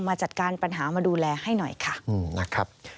มาจัดการปัญหามาดูแลให้หน่อยค่ะ